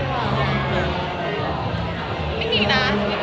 ไม่มีนะ